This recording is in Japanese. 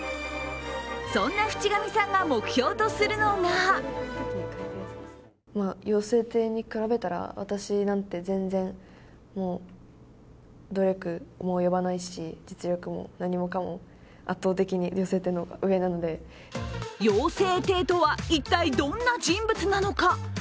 そんな淵上さんが目標とするのが雍正帝とは一体どんな人物なのか。